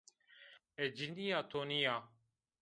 Ez cinîya to nîya